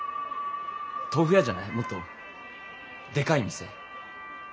豆腐屋じゃないもっとでかい店。